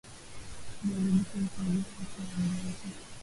viazi lishe husaidia afya ya ngozi